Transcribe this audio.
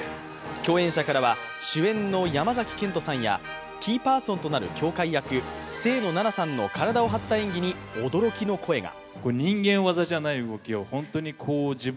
共演者からは主演の山崎賢人さんやキーパーソンとなる羌カイ役清野菜名さんの体を張った演技に驚きの声が。